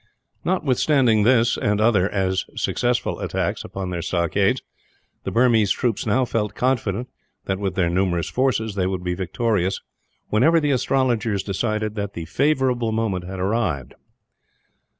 Notwithstanding this and other, as successful, attacks upon their stockades, the Burmese troops now felt confident that, with their numerous forces, they would be victorious whenever the astrologers decided that the favourable moment had arrived.